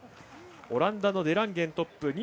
オランダのデランゲン、トップ。